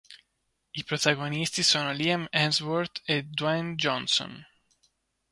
I protagonisti sono Liam Hemsworth e Dwayne Johnson.